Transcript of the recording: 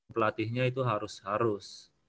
pelatihnya itu harus harus